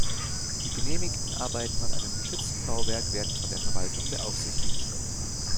Die genehmigten Arbeiten an einem geschützten Bauwerk werden von der Verwaltung beaufsichtigt.